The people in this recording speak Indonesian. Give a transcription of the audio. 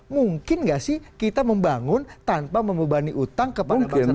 mungkin gak sih kita membangun tanpa membebani utang kepada bangsa negara